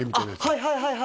はいはいはいはい！